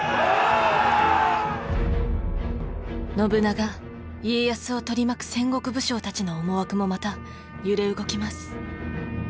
信長家康を取り巻く戦国武将たちの思惑もまた揺れ動きます。